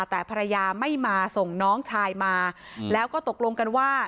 แต่ภรรยาไม่มาส่งน้องชายมาแล้วก็ตกลงกันว่า